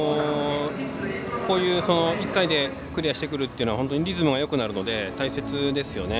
こういう１回でクリアしてくるっていうのは本当にリズムがよくなるので大切ですよね。